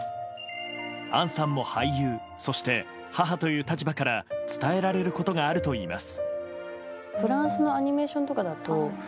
杏さんも俳優そして母という立場から伝えられることがあるといいます。